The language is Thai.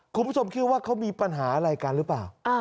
คุณผู้ชมคิดว่าเขามีปัญหาอะไรกันหรือเปล่า